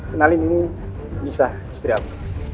kenalin ini nisa istri aku